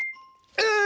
うん。